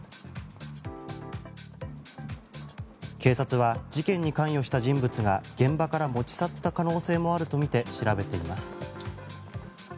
警察は、事件に関与した人物が現場から持ち去った可能性もあるとみて調べています。